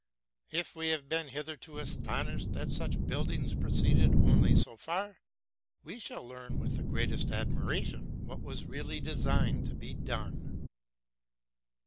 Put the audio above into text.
If we have been hitherto astonished that such buildings proceeded only so far, we shall learn with the greatest admiration what was really designed to be done.